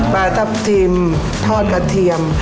ทับทิมทอดกระเทียม